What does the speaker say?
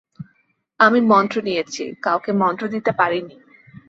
আমি মন্ত্র নিয়েছি, কাউকে মন্ত্র দিতে পারি নি।